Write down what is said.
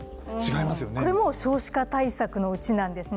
これも少子化対策のうちなんですね。